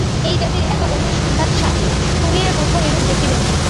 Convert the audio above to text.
এই জাতির এত অনুসন্ধিৎসা! তুমি আর কোথাও এরূপ দেখিবে না।